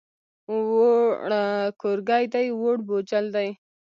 ووړ کورګی دی، ووړ بوجل دی.